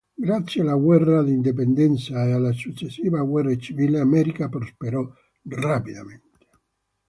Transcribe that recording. Grazie alla guerra d'indipendenza e alla successiva guerra civile americana prosperò rapidamente.